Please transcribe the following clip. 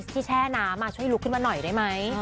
แช่น้ำช่วยลุกขึ้นมาหน่อยได้ไหม